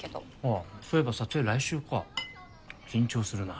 あそういえば撮影来週かぁ緊張するなぁ。